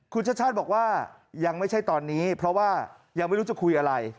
คุณชาติชาติบอกว่ายังไม่ใช่ตอนนี้เพราะว่ายังไม่รู้จะคุยอะไร